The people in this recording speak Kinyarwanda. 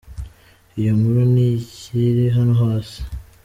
Iyo nkuru ni iyi iri hano hasi.